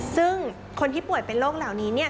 ซึ่งคนที่ปวดเป็นโรคเหล่านี้เนี่ย